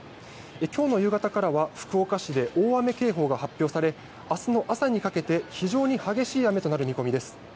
今日の夕方からは福岡市で大雨警報が発表され明日の朝にかけて非常に激しい雨となる見込みです。